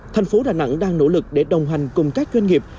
thành phố đà nẵng đang nỗ lực để đồng hành cùng các doanh nghiệp